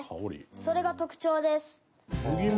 それが特徴です。